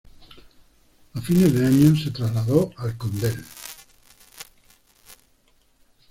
A fines de año se trasladó al Condell.